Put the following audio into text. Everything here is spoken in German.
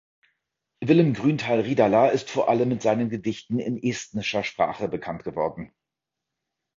Villem Grünthal-Ridala ist vor allem mit seinen Gedichten in estnischer Sprache bekannt geworden.